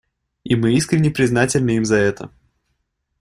И мы искренне признательны им за это.